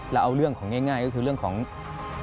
เราเอาเรื่องของง่ายก็คือเรื่องของโรคภัยไข้เจ็บ